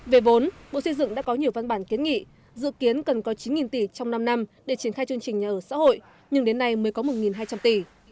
về vốn bộ xây dựng đã có nhiều văn bản kiến nghị dự kiến cần có chín tỷ trong năm năm để triển khai chương trình nhà ở xã hội nhưng đến nay mới có một hai trăm linh tỷ